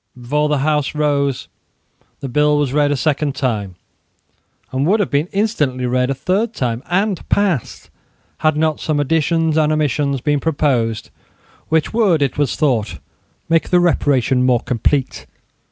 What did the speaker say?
Before the House rose the bill was read a second time, and would have been instantly read a third time and passed, had not some additions and omissions been proposed, which would, it was thought, make the reparation more complete.